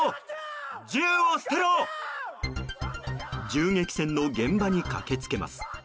銃撃戦の現場に駆け付けます。